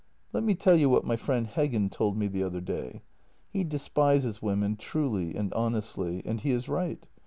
Let me tell you what my friend Heggen told me the other day. He despises women truly and honestly — and he is right.